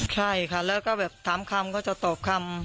ใช่ค่ะแล้วก็แบบถามคำเขาจะตอบคำ